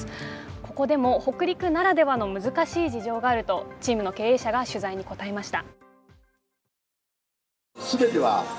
ここでも北陸ならではの難しい事情があるとチームの経営者が取材に答えました。